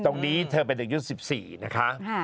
ตรงนี้เธอไปตั้งยุค๑๔นะคะ